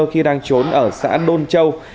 khi đang trốn ở xã đôn châu